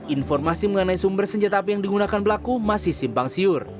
informasi mengenai sumber senjata api yang digunakan pelaku masih simpang siur